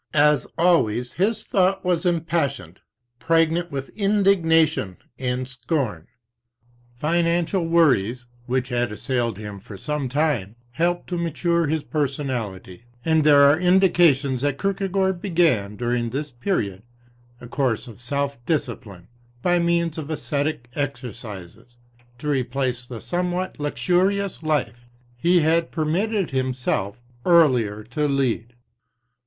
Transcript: As always, his thought was im passioned, pregnant with indignation and scorn. Financial worries, which had assailed him for some time, helped to mature his personality, and there are indications that Kierkegaard began, during this period, a course of self discipline by means of ascetic exercises, to replace the somewhat luxurious life he had permitted himself earlier to lead.